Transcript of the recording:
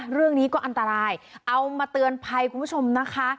เรื่องนี้ก็อันตรายเอามาเตือนภัยคุณผู้ชมนะคะ